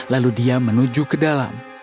lalu dia menuju ke dalam